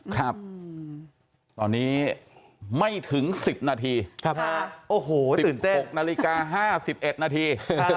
ครับตอนนี้ไม่ถึง๑๐นาที๑๖นาฬิกา๕๑นาที